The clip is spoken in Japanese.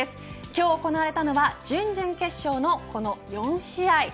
今日、行われたのは準々決勝のこの４試合。